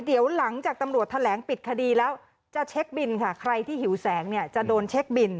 เดี๋ยวหลังจากตำรวจแถลงปิดคดีแล้วจะเช็คบินค่ะใครที่หิวแสงเนี่ยจะโดนเช็คบิน